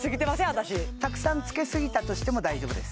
私たくさんつけすぎたとしても大丈夫です